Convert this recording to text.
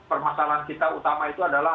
permasalahan kita utama itu adalah